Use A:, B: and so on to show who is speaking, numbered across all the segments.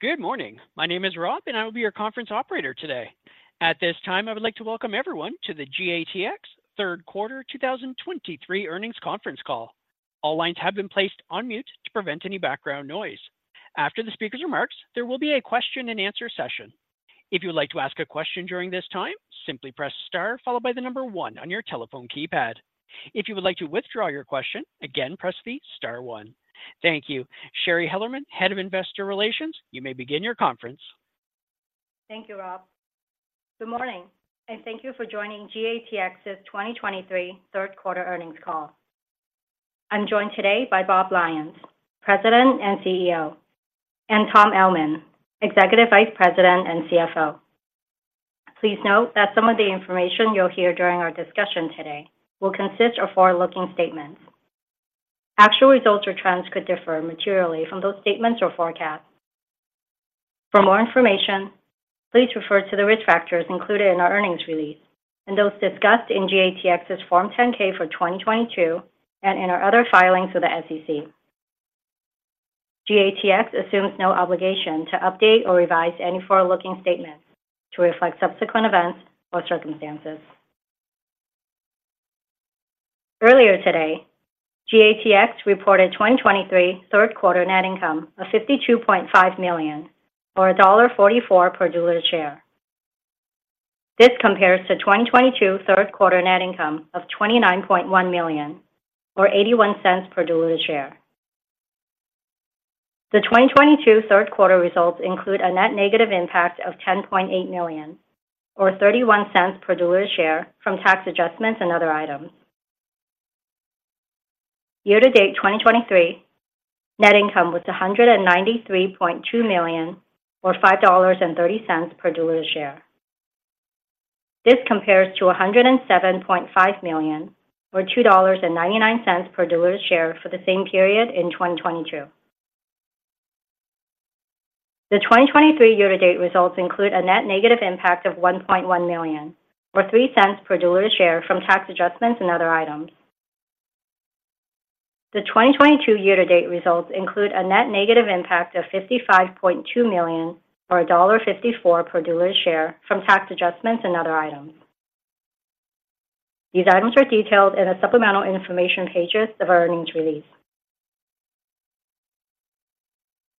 A: Good morning. My name is Rob, and I will be your conference operator today. At this time, I would like to welcome everyone to the GATX Q3 2023 earnings conference call. All lines have been placed on mute to prevent any background noise. After the speaker's remarks, there will be a question-and-answer session. If you would like to ask a question during this time, simply press star followed by the number 1 on your telephone keypad. If you would like to withdraw your question, again, press the star one. Thank you. Shari Hellerman, Head of Investor Relations, you may begin your conference.
B: Thank you, Rob. Good morning, and thank you for joining GATX's 2023 Q3 earnings call. I'm joined today by Bob Lyons, President and CEO, and Tom Ellman, Executive Vice President and CFO. Please note that some of the information you'll hear during our discussion today will consist of forward-looking statements. Actual results or trends could differ materially from those statements or forecasts. For more information, please refer to the risk factors included in our earnings release and those discussed in GATX's Form 10-K for 2022 and in our other filings with the SEC. GATX assumes no obligation to update or revise any forward-looking statements to reflect subsequent events or circumstances. Earlier today, GATX reported 2023 Q3 net income of $52.5 million, or $1.44 per diluted share. This compares to 2022 Q3 net income of $29.1 million, or $0.81 per diluted share. The 2022 Q3 results include a net negative impact of $10.8 million, or $0.31 per diluted share, from tax adjustments and other items. Year-to-date 2023, net income was $193.2 million, or $5.30 per diluted share. This compares to $107.5 million, or $2.99 per diluted share for the same period in 2022. The 2023 year-to-date results include a net negative impact of $1.1 million, or $0.03 per diluted share, from tax adjustments and other items. The 2022 year-to-date results include a net negative impact of $55.2 million, or $1.54 per diluted share, from tax adjustments and other items. These items are detailed in the supplemental information pages of our earnings release.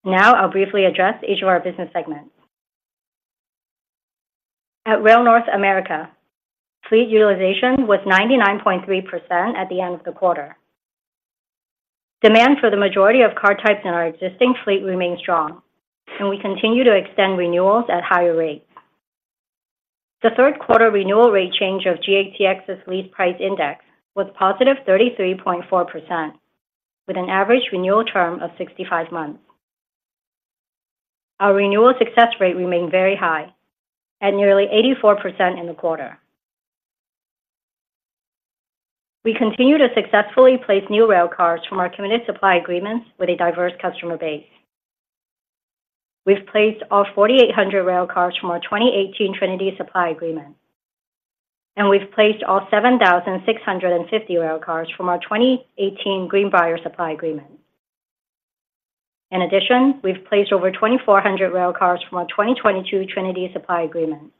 B: Now, I'll briefly address each of our business segments. At Rail North America, fleet utilization was 99.3% at the end of the quarter. Demand for the majority of car types in our existing fleet remains strong, and we continue to extend renewals at higher rates. The Q3 renewal rate change of GATX's Lease Price Index was +33.4%, with an average renewal term of 65 months. Our renewal success rate remained very high at nearly 84% in the quarter. We continue to successfully place new railcars from our committed supply agreements with a diverse customer base. We've placed all 4,800 rail cars from our 2018 Trinity supply agreement, and we've placed all 7,650 rail cars from our 2018 Greenbrier supply agreement. In addition, we've placed over 2,400 rail cars from our 2022 Trinity supply agreement.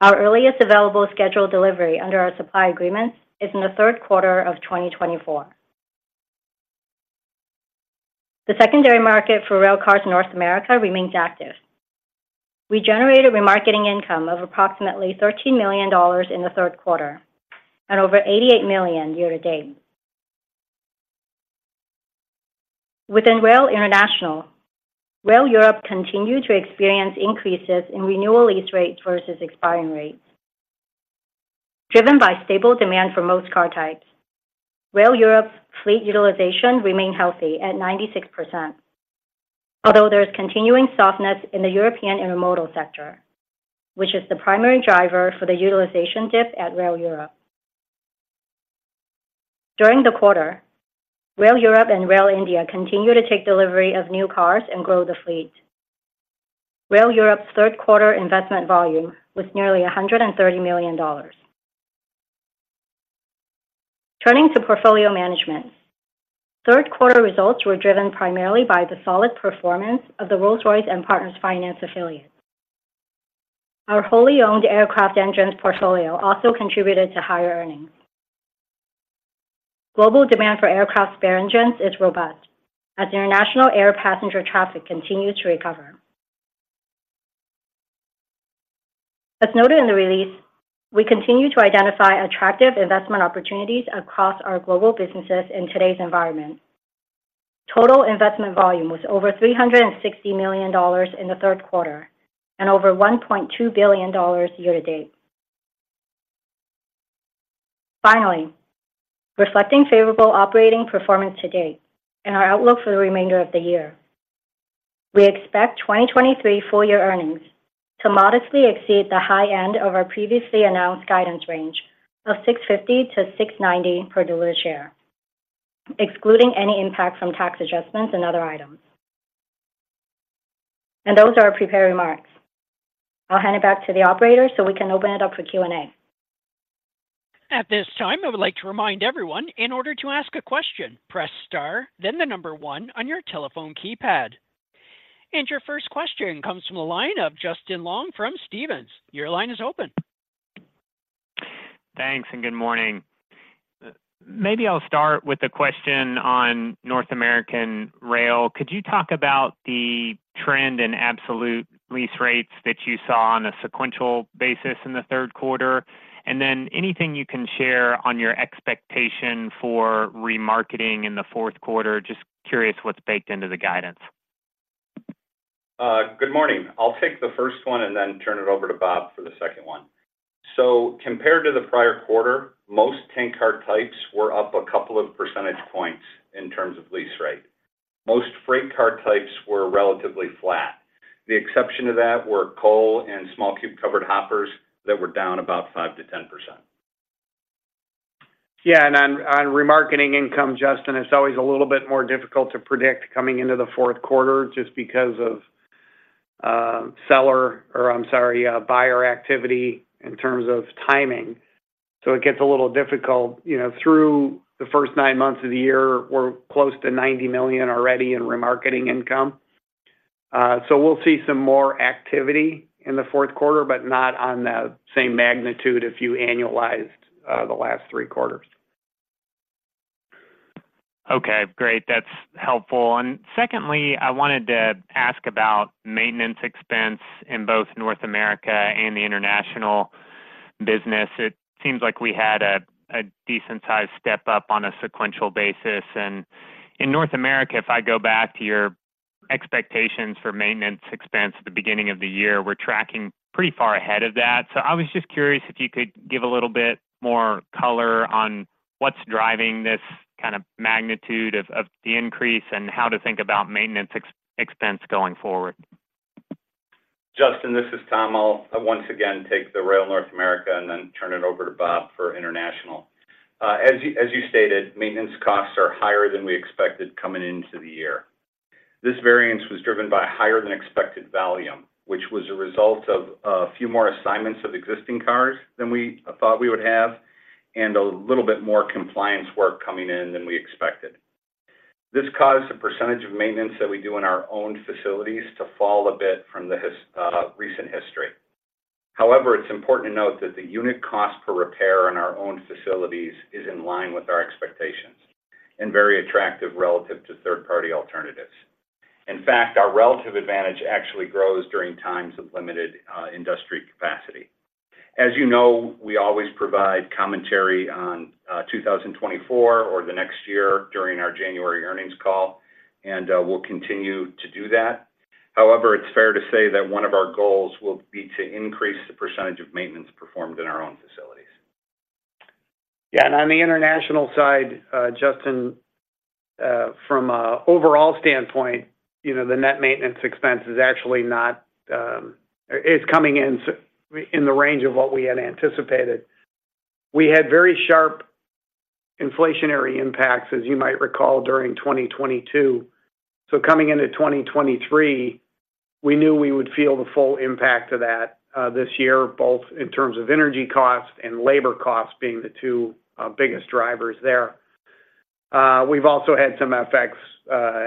B: Our earliest available scheduled delivery under our supply agreements is in the Q3 of 2024. The secondary market for Rail North America remains active. We generated remarketing income of approximately $13 million in the Q3 and over $88 million year to date. Within Rail International, Rail Europe continued to experience increases in renewal lease rates versus expiring rates. Driven by stable demand for most car types, Rail Europe's fleet utilization remained healthy at 96%, although there is continuing softness in the European intermodal sector, which is the primary driver for the utilization dip at Rail Europe. During the quarter, Rail Europe and Rail India continued to take delivery of new cars and grow the fleet. Rail Europe's Q3 investment volume was nearly $130 million. Turning to portfolio management, Q3 results were driven primarily by the solid performance of the Rolls-Royce & Partners Finance affiliate. Our wholly owned aircraft engines portfolio also contributed to higher earnings. Global demand for aircraft spare engines is robust as international air passenger traffic continues to recover. As noted in the release, we continue to identify attractive investment opportunities across our global businesses in today's environment. Total investment volume was over $360 million in the Q3 and over $1.2 billion year to date. Finally, reflecting favorable operating performance to date and our outlook for the remainder of the year, we expect 2023 full-year earnings to modestly exceed the high end of our previously announced guidance range of $6.50-$6.90 per diluted share, excluding any impact from tax adjustments and other items. Those are our prepared remarks. I'll hand it back to the operator so we can open it up for Q&A....
A: At this time, I would like to remind everyone, in order to ask a question, press star, then the number one on your telephone keypad. Your first question comes from the line of Justin Long from Stephens. Your line is open.
C: Thanks, and good morning. Maybe I'll start with a question on North American Rail. Could you talk about the trend in absolute lease rates that you saw on a sequential basis in the Q3? And then anything you can share on your expectation for remarketing in the Q4? Just curious what's baked into the guidance.
D: Good morning. I'll take the first one and then turn it over to Bob for the second one. So compared to the prior quarter, most tank car types were up a couple of percentage points in terms of lease rate. Most freight car types were relatively flat. The exception to that were coal and small cube covered hoppers that were down about 5%-10%.
E: Yeah, and on remarketing income, Justin, it's always a little bit more difficult to predict coming into the Q4 just because of seller, or I'm sorry, buyer activity in terms of timing. So it gets a little difficult. You know, through the first nine months of the year, we're close to $90 million already in remarketing income. So we'll see some more activity in the Q4, but not on the same magnitude if you annualized the last three quarters.
C: Okay, great. That's helpful. And secondly, I wanted to ask about maintenance expense in both North America and the international business. It seems like we had a decent-sized step up on a sequential basis. And in North America, if I go back to your expectations for maintenance expense at the beginning of the year, we're tracking pretty far ahead of that. So I was just curious if you could give a little bit more color on what's driving this kind of magnitude of the increase, and how to think about maintenance expense going forward.
D: Justin, this is Tom. I'll once again take the Rail North America and then turn it over to Bob for international. As you, as you stated, maintenance costs are higher than we expected coming into the year. This variance was driven by higher than expected volume, which was a result of a few more assignments of existing cars than we thought we would have, and a little bit more compliance work coming in than we expected. This caused the percentage of maintenance that we do in our own facilities to fall a bit from the recent history. However, it's important to note that the unit cost per repair in our own facilities is in line with our expectations, and very attractive relative to third-party alternatives. In fact, our relative advantage actually grows during times of limited industry capacity. As you know, we always provide commentary on, 2024 or the next year during our January earnings call, and, we'll continue to do that. However, it's fair to say that one of our goals will be to increase the percentage of maintenance performed in our own facilities.
E: Yeah, on the international side, Justin, from an overall standpoint, you know, the net maintenance expense is actually not... It's coming in in the range of what we had anticipated. We had very sharp inflationary impacts, as you might recall, during 2022. So coming into 2023, we knew we would feel the full impact of that, this year, both in terms of energy costs and labor costs being the two, biggest drivers there. We've also had some FX,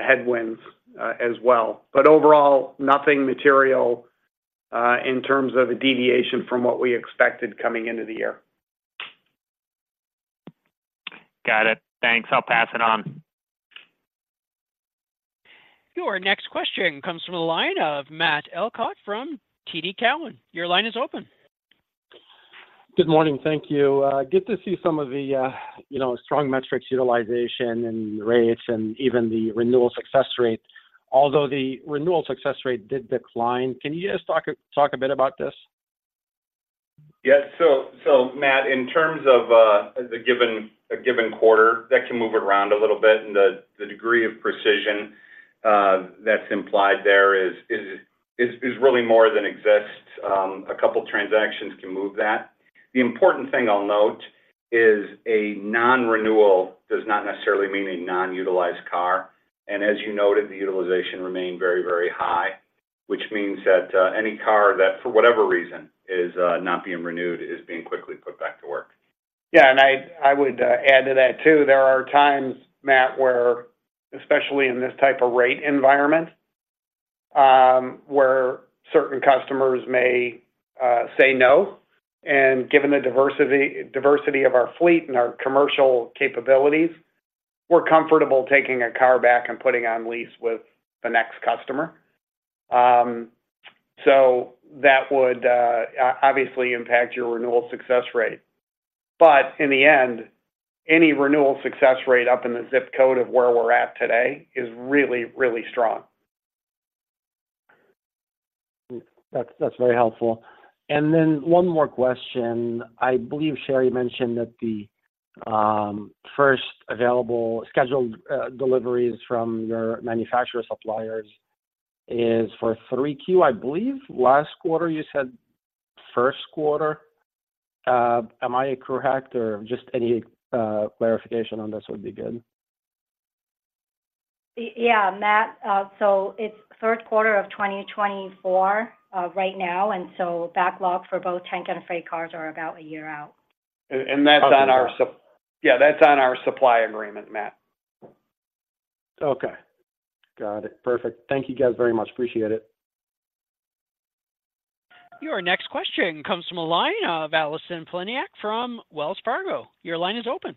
E: headwinds, as well, but overall, nothing material, in terms of a deviation from what we expected coming into the year.
C: Got it. Thanks. I'll pass it on.
A: Your next question comes from the line of Matt Elkott from TD Cowen. Your line is open.
F: Good morning. Thank you. Good to see some of the, you know, strong metrics, utilization and rates, and even the renewal success rate, although the renewal success rate did decline. Can you just talk a bit about this?
D: Yeah. So, Matt, in terms of a given quarter, that can move around a little bit, and the degree of precision that's implied there is really more than exists. A couple transactions can move that. The important thing I'll note is a non-renewal does not necessarily mean a non-utilized car. And as you noted, the utilization remained very, very high, which means that any car that, for whatever reason, is not being renewed, is being quickly put back to work.
E: Yeah, and I would add to that, too. There are times, Matt, where, especially in this type of rate environment, where certain customers may say no, and given the diversity of our fleet and our commercial capabilities, we're comfortable taking a car back and putting on lease with the next customer. So that would obviously impact your renewal success rate. But in the end, any renewal success rate up in the zip code of where we're at today is really, really strong.
F: That's, that's very helpful. And then one more question: I believe Shari mentioned that the first available scheduled deliveries from your manufacturer suppliers is for Q3. I believe last quarter you said first quarter. Am I correct, or just any clarification on this would be good?...
G: Yeah, Matt, so it's Q3 of 2024, right now, and so backlog for both tank and freight cars are about a year out.
E: Yeah, that's on our supply agreement, Matt.
F: Okay. Got it. Perfect. Thank you, guys, very much. Appreciate it.
A: Your next question comes from a line of Allison Poliniak from Wells Fargo. Your line is open.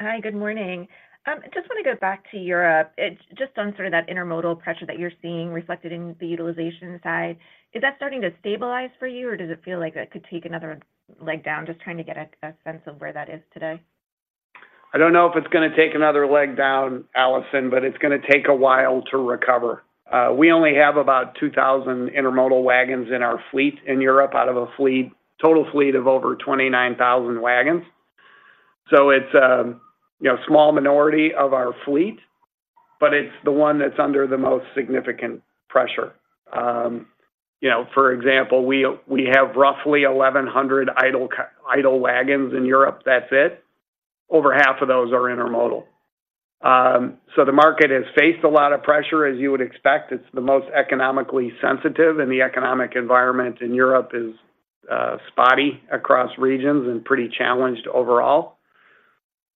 H: Hi, good morning. Just want to go back to Europe. It's just on sort of that intermodal pressure that you're seeing reflected in the utilization side. Is that starting to stabilize for you, or does it feel like that could take another leg down? Just trying to get a sense of where that is today.
E: I don't know if it's going to take another leg down, Allison, but it's going to take a while to recover. We only have about 2,000 intermodal wagons in our fleet in Europe, out of a total fleet of over 29,000 wagons. So it's a, you know, small minority of our fleet, but it's the one that's under the most significant pressure. You know, for example, we have roughly 1,100 idle wagons in Europe. That's it. Over half of those are intermodal. So the market has faced a lot of pressure, as you would expect. It's the most economically sensitive, and the economic environment in Europe is, you know, spotty across regions and pretty challenged overall.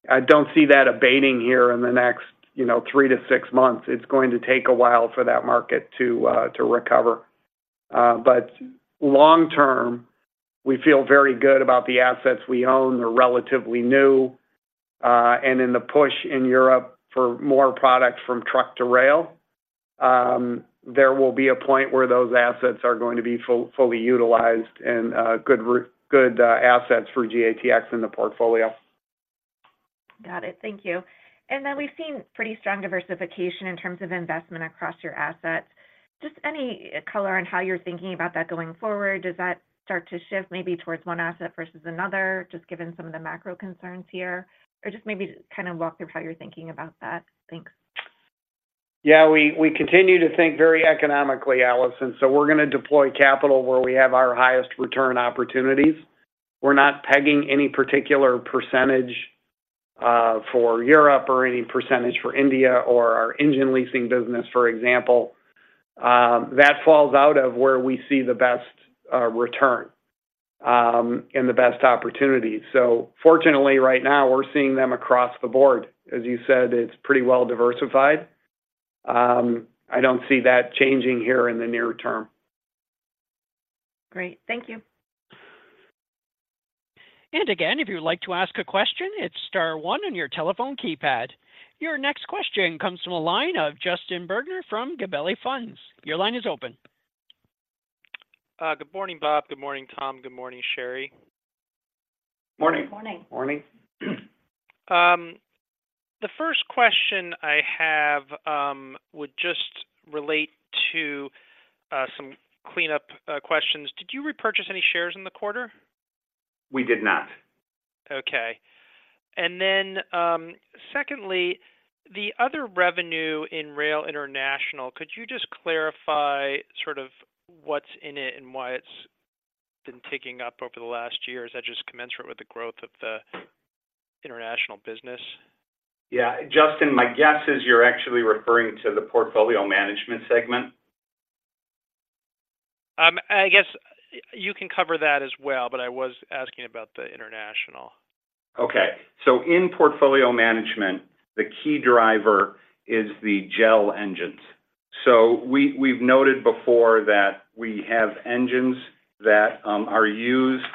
E: I don't see that abating here in the next, you know, three to six months. It's going to take a while for that market to recover. But long term, we feel very good about the assets we own. They're relatively new, and in the push in Europe for more products from truck to rail, there will be a point where those assets are going to be fully utilized and good assets for GATX in the portfolio.
H: Got it. Thank you. And then we've seen pretty strong diversification in terms of investment across your assets. Just any color on how you're thinking about that going forward, does that start to shift maybe towards one asset versus another, just given some of the macro concerns here? Or just maybe just kind of walk through how you're thinking about that. Thanks.
E: Yeah, we continue to think very economically, Allison, so we're going to deploy capital where we have our highest return opportunities. We're not pegging any particular percentage for Europe or any percentage for India or our engine leasing business, for example. That falls out of where we see the best return and the best opportunity. So fortunately, right now, we're seeing them across the board. As you said, it's pretty well diversified. I don't see that changing here in the near term.
H: Great. Thank you.
A: Again, if you'd like to ask a question, it's star one on your telephone keypad. Your next question comes from a line of Justin Bergner from Gabelli Funds. Your line is open.
I: Good morning, Bob. Good morning, Tom. Good morning, Shari.
E: Morning.
B: Morning.
E: Morning.
I: The first question I have would just relate to some cleanup questions. Did you repurchase any shares in the quarter?
E: We did not.
I: Okay. And then, secondly, the other revenue in Rail International, could you just clarify sort of what's in it and why it's been ticking up over the last year? Is that just commensurate with the growth of the international business?
E: Yeah. Justin, my guess is you're actually referring to the portfolio management segment.
I: I guess you can cover that as well, but I was asking about the international.
E: Okay. So in portfolio management, the key driver is the EL engines. So we, we've noted before that we have engines that are used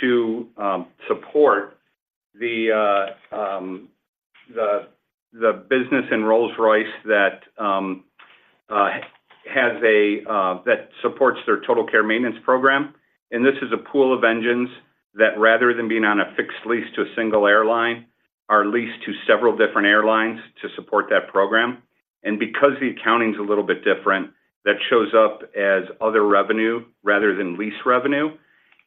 E: to support the business in Rolls-Royce that has a that supports their TotalCare maintenance program, and this is a pool of engines that, rather than being on a fixed lease to a single airline, are leased to several different airlines to support that program. And because the accounting's a little bit different, that shows up as other revenue rather than lease revenue.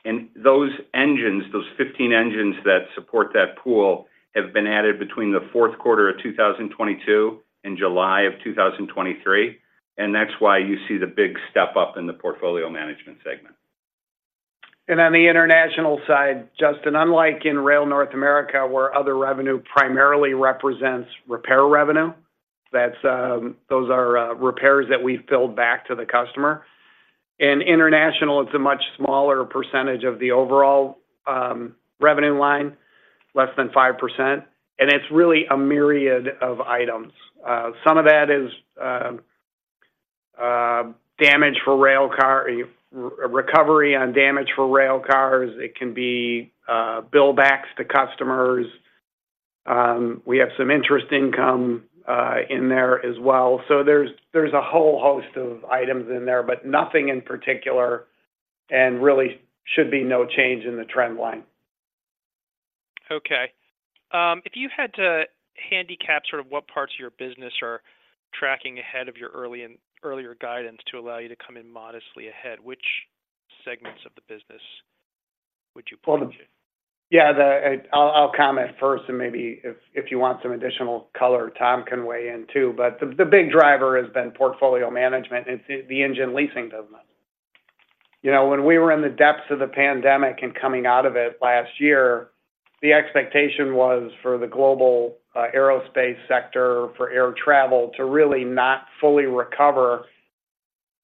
E: And those engines, those 15 engines that support that pool, have been added between the Q4 of 2022 and July of 2023, and that's why you see the big step up in the portfolio management segment. And on the international side, Justin, unlike in Rail North America, where other revenue primarily represents repair revenue, that's those are repairs that we billed back to the customer. In international, it's a much smaller percentage of the overall revenue line, less than 5%, and it's really a myriad of items. Some of that is damage for railcar recovery on damage for railcars. It can be bill backs to customers. We have some interest income in there as well. So there's there's a whole host of items in there, but nothing in particular and really should be no change in the trend line.
I: Okay. If you had to handicap sort of what parts of your business are tracking ahead of your earlier guidance to allow you to come in modestly ahead, which segments of the business would you point to?
E: Yeah, I'll comment first, and maybe if you want some additional color, Tom can weigh in, too. But the big driver has been portfolio management, and it's the engine leasing business. You know, when we were in the depths of the pandemic and coming out of it last year, the expectation was for the global aerospace sector, for air travel to really not fully recover,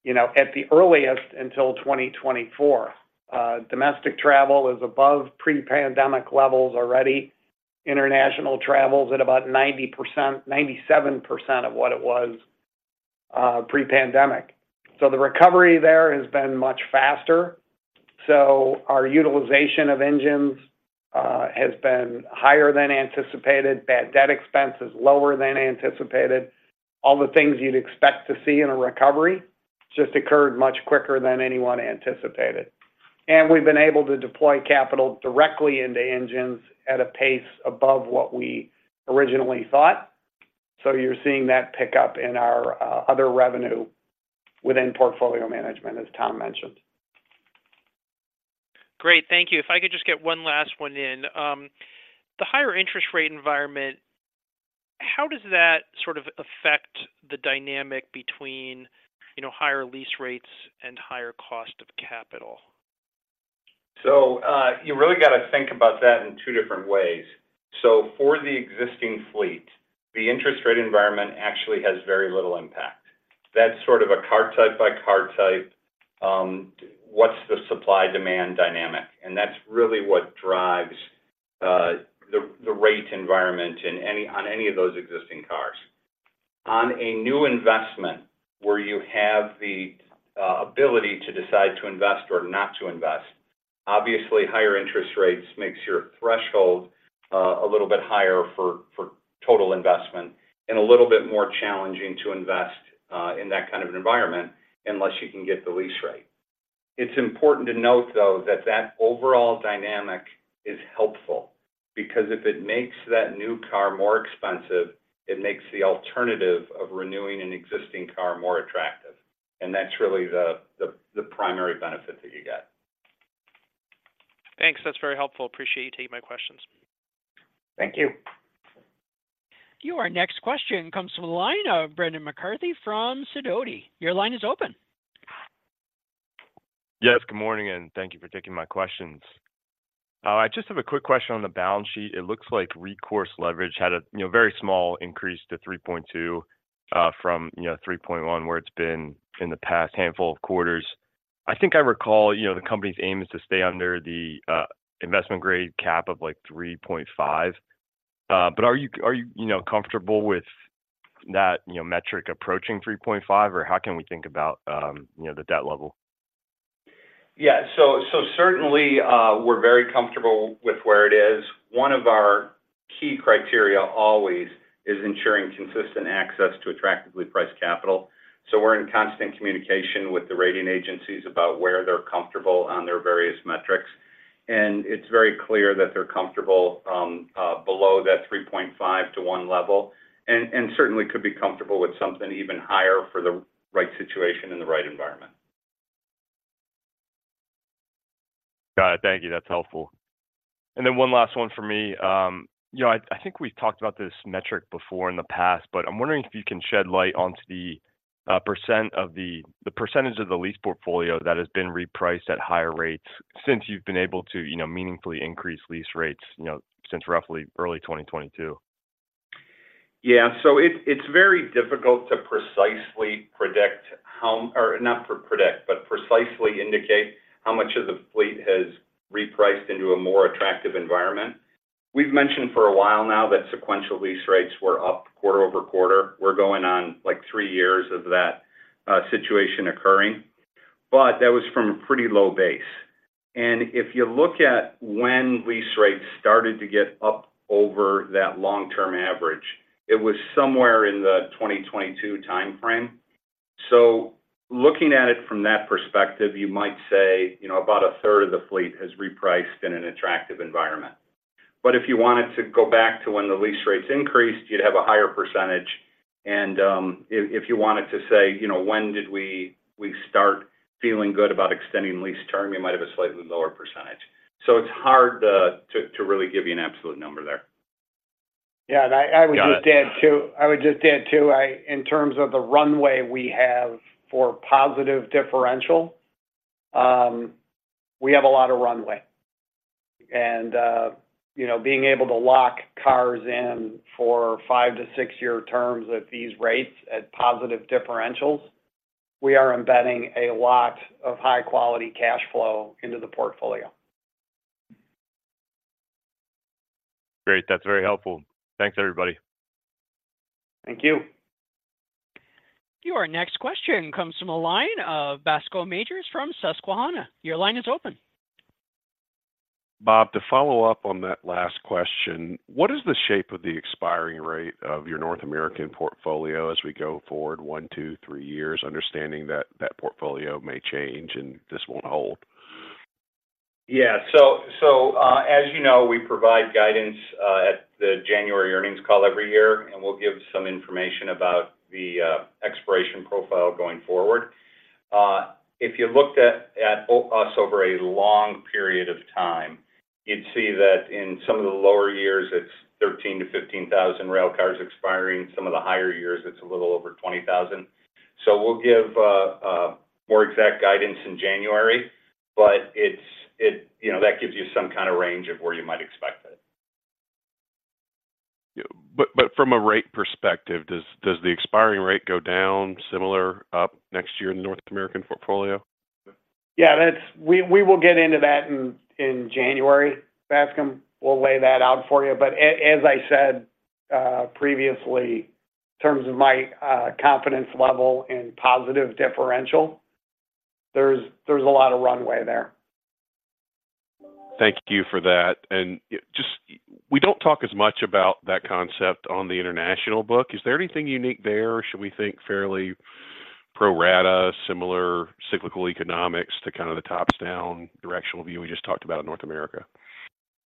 E: you know, at the earliest, until 2024. Domestic travel is above pre-pandemic levels already. International travel's at about 90%, 97% of what it was, pre-pandemic. So the recovery there has been much faster. So our utilization of engines has been higher than anticipated. Bad debt expense is lower than anticipated. All the things you'd expect to see in a recovery just occurred much quicker than anyone anticipated. And we've been able to deploy capital directly into engines at a pace above what we originally thought. So you're seeing that pick up in our other revenue within portfolio management, as Tom mentioned.
I: Great. Thank you. If I could just get one last one in. The higher interest rate environment, how does that sort of affect the dynamic between, you know, higher lease rates and higher cost of capital?
D: So, you really got to think about that in two different ways. So for the existing fleet, the interest rate environment actually has very little impact. That's sort of a car type by car type, what's the supply-demand dynamic? And that's really what drives the rate environment on any of those existing cars. On a new investment, where you have the ability to decide to invest or not to invest, obviously, higher interest rates makes your threshold a little bit higher for total investment and a little bit more challenging to invest in that kind of an environment unless you can get the lease right. It's important to note, though, that that overall dynamic is helpful because if it makes that new car more expensive, it makes the alternative of renewing an existing car more attractive, and that's really the primary benefit that you get.
I: Thanks. That's very helpful. Appreciate you taking my questions.
D: Thank you.
A: Our next question comes from the line of Brendan McCarthy from Sidoti. Your line is open.
J: Yes, good morning, and thank you for taking my questions. I just have a quick question on the balance sheet. It looks like recourse leverage had a, you know, very small increase to 3.2, from, you know, 3.1, where it's been in the past handful of quarters. I think I recall, you know, the company's aim is to stay under the, investment-grade cap of, like, 3.5. But are you, are you, you know, comfortable with that, you know, metric approaching 3.5, or how can we think about, you know, the debt level?
D: Yeah. So, so certainly, we're very comfortable with where it is. One of our key criteria always is ensuring consistent access to attractively priced capital. So we're in constant communication with the rating agencies about where they're comfortable on their various metrics, and it's very clear that they're comfortable, below that 3.5 to 1 level, and certainly could be comfortable with something even higher for the right situation and the right environment.
J: Got it. Thank you. That's helpful. And then one last one for me. You know, I think we've talked about this metric before in the past, but I'm wondering if you can shed light onto the percentage of the lease portfolio that has been repriced at higher rates since you've been able to, you know, meaningfully increase lease rates, you know, since roughly early 2022.
D: Yeah. So it, it's very difficult to precisely predict how, or not predict, but precisely indicate how much of the fleet has repriced into a more attractive environment. We've mentioned for a while now that sequential lease rates were up quarter-over-quarter. We're going on, like, 3 years of that situation occurring, but that was from a pretty low base. And if you look at when lease rates started to get up over that long-term average, it was somewhere in the 2022 timeframe. So looking at it from that perspective, you might say, you know, about a third of the fleet has repriced in an attractive environment. But if you wanted to go back to when the lease rates increased, you'd have a higher percentage, and if you wanted to say, you know, when did we start feeling good about extending lease term, you might have a slightly lower percentage. So it's hard to really give you an absolute number there.
E: Yeah, and I would just add, too-
J: Got it.
E: I would just add, too, in terms of the runway we have for positive differential, we have a lot of runway. You know, being able to lock cars in for 5 to 6-year terms at these rates, at positive differentials, we are embedding a lot of high-quality cash flow into the portfolio.
J: Great, that's very helpful. Thanks, everybody.
D: Thank you.
A: Your next question comes from the line of Bascome Majors from Susquehanna. Your line is open.
K: Bob, to follow up on that last question, what is the shape of the expiring rate of your North American portfolio as we go forward 1, 2, 3 years, understanding that that portfolio may change and this won't hold?
D: Yeah. So, as you know, we provide guidance at the January earnings call every year, and we'll give some information about the expiration profile going forward. If you looked at us over a long period of time, you'd see that in some of the lower years, it's 13,000-15,000 railcars expiring. Some of the higher years, it's a little over 20,000. So we'll give more exact guidance in January, but it's it. You know, that gives you some kind of range of where you might expect it.
K: Yeah, but from a rate perspective, does the expiring rate go down similar, up next year in the North American portfolio?
E: Yeah, that's we will get into that in January. Bascome, we'll lay that out for you. But as I said previously, in terms of my confidence level and positive differential, there's a lot of runway there.
K: Thank you for that. And, yeah, just, we don't talk as much about that concept on the international book. Is there anything unique there, or should we think fairly pro rata, similar cyclical economics to kind of the tops-down directional view we just talked about in North America?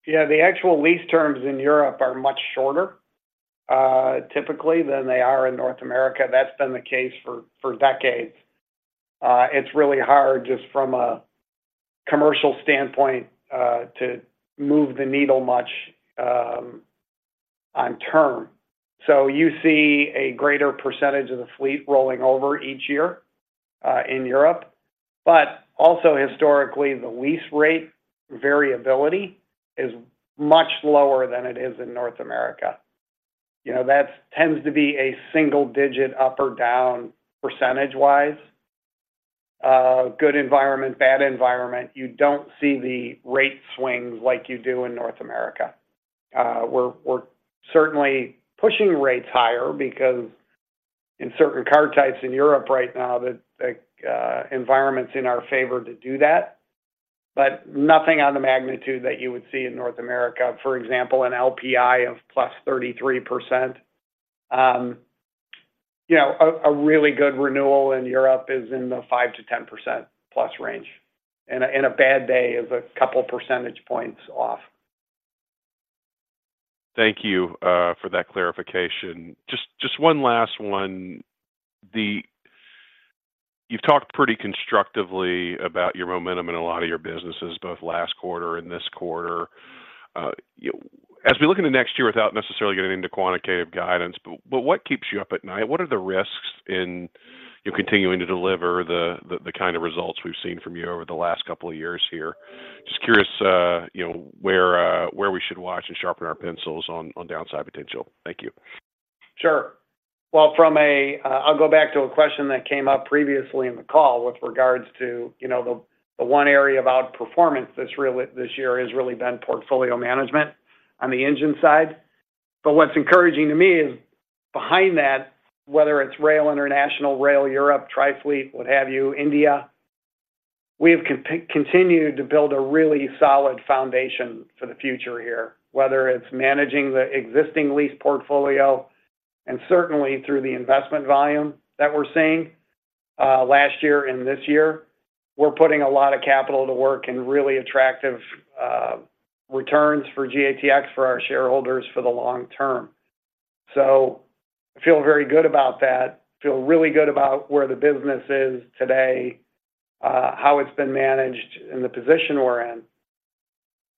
E: Yeah, the actual lease terms in Europe are much shorter, typically than they are in North America. That's been the case for decades. It's really hard, just from a commercial standpoint, to move the needle much, on term. So you see a greater percentage of the fleet rolling over each year, in Europe. But also historically, the lease rate variability is much lower than it is in North America. You know, that tends to be a single digit up or down, percentage-wise. Good environment, bad environment, you don't see the rate swings like you do in North America. We're certainly pushing rates higher because in certain car types in Europe right now, the environment's in our favor to do that, but nothing on the magnitude that you would see in North America. For example, an LPI of +33%. You know, a really good renewal in Europe is in the 5%-10%+ range, and a bad day is a couple percentage points off.
K: Thank you for that clarification. Just one last one. You've talked pretty constructively about your momentum in a lot of your businesses, both last quarter and this quarter. As we look into next year, without necessarily getting into quantitative guidance, but what keeps you up at night? What are the risks in you continuing to deliver the kind of results we've seen from you over the last couple of years here? Just curious, you know, where we should watch and sharpen our pencils on downside potential. Thank you.
E: Sure. Well, from a, I'll go back to a question that came up previously in the call with regards to, you know, the, the one area of outperformance this really this year, has really been portfolio management on the engine side. But what's encouraging to me is behind that, whether it's rail, international rail, Europe, Trifleet, what have you, India, we've continued to build a really solid foundation for the future here, whether it's managing the existing lease portfolio, and certainly through the investment volume that we're seeing, last year and this year. We're putting a lot of capital to work in really attractive returns for GATX, for our shareholders, for the long term. So I feel very good about that. Feel really good about where the business is today, how it's been managed and the position we're in.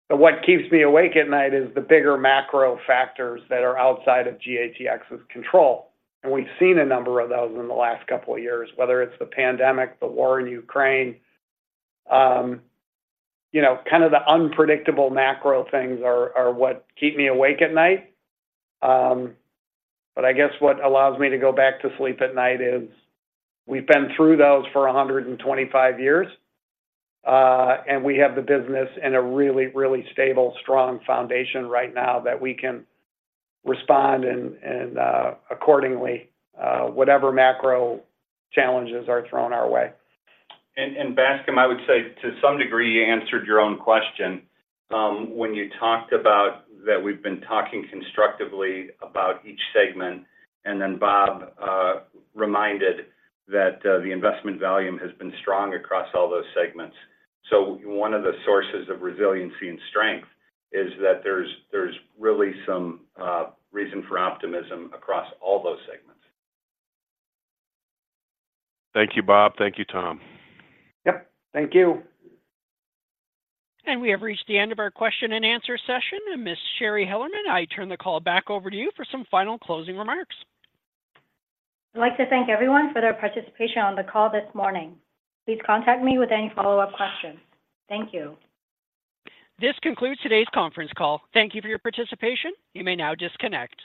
E: But what keeps me awake at night is the bigger macro factors that are outside of GATX's control, and we've seen a number of those in the last couple of years, whether it's the pandemic, the war in Ukraine. You know, kind of the unpredictable macro things are what keep me awake at night. But I guess what allows me to go back to sleep at night is we've been through those for 125 years, and we have the business in a really, really stable, strong foundation right now that we can respond and accordingly, whatever macro challenges are thrown our way.
D: Bascome, I would say to some degree, you answered your own question, when you talked about that we've been talking constructively about each segment, and then Bob reminded that, the investment volume has been strong across all those segments. So one of the sources of resiliency and strength is that there's really some reason for optimism across all those segments.
K: Thank you, Bob. Thank you, Tom.
E: Yep, thank you.
A: We have reached the end of our question and answer session, and Ms. Shari Hellerman, I turn the call back over to you for some final closing remarks.
B: I'd like to thank everyone for their participation on the call this morning. Please contact me with any follow-up questions. Thank you.
A: This concludes today's conference call. Thank you for your participation. You may now disconnect.